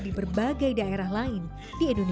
di berbagai daerah lain di indonesia